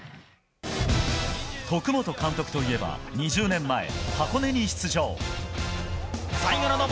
徳本監督といえば２０年前箱根に出場。